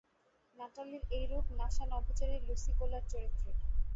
নাটালির এই রূপ NASA নভোচারী Lucy কোলার চরিত্রের।